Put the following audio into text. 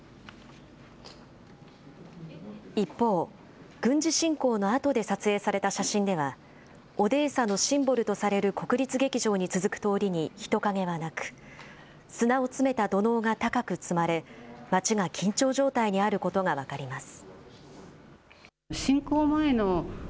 一方、軍事侵攻のあとで撮影された写真ではオデーサのシンボルとされる国立劇場に続く通りに人影はなく砂を詰めた土のうが高く積まれ町が緊張状態にあることが分かります。